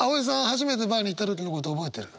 初めてＢＡＲに行った時のこと覚えてる？